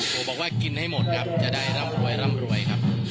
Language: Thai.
บอกว่ากินให้หมดครับจะได้ร่ำรวยร่ำรวยครับ